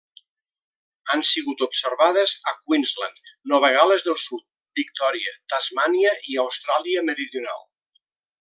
Han sigut observades a Queensland, Nova Gal·les del Sud, Victòria, Tasmània i Austràlia Meridional.